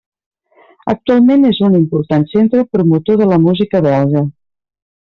Actualment és un important centre promotor de la música belga.